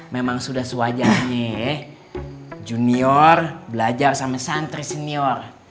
memang sudah sewajarnya junior belajar sama santri senior